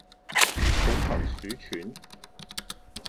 抱頭鼠竄